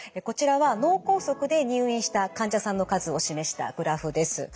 こちらは脳梗塞で入院した患者さんの数を示したグラフです。